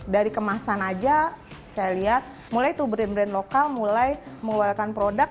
dari kemasan aja saya lihat mulai tuh brand brand lokal mulai mengeluarkan produk